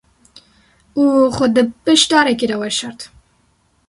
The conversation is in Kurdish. Û xwe di piş darekê de veşart.